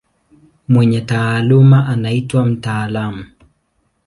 Mwenye taaluma anaitwa mtaalamu.